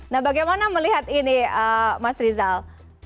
nah bagaimana melihat ini mas rizal